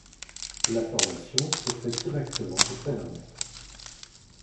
La formation se fait directement auprès d'un maître.